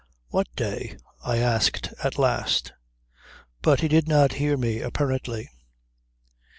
"What day?" I asked at last; but he did not hear me apparently.